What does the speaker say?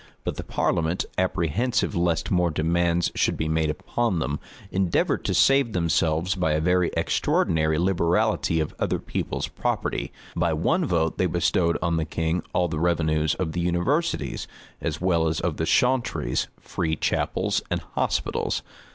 But the parliament, apprehensive lest more demands should be made upon them, endeavored to save themselves by a very extraordinary liberality of other people's property; by one vote they bestowed on the king all the revenues of the universities, as well as of the chauntries, free chapels,[] and hospitals.